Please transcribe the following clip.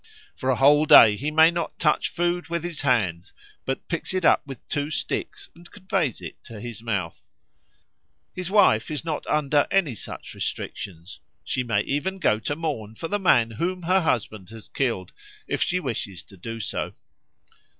For a whole day he may not touch food with his hands, but picks it up with two sticks and so conveys it to his mouth. His wife is not under any such restrictions. She may even go to mourn for the man whom her husband has killed, if she wishes to do so.